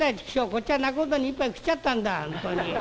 こっちは仲人に一杯食っちゃったんだ本当に。